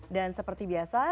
dan seperti biasa